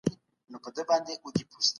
صداقت د ايمان برخه ده.